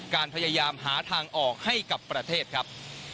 พยายามหาทางออกให้กับประเทศครับ